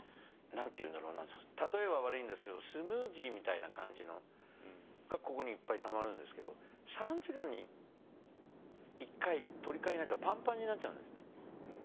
何て言うんだろうな例えは悪いんですけどスムージーみたいな感じのがここにいっぱいたまるんですけど３時間に１回取り替えないとパンパンになっちゃうんですね。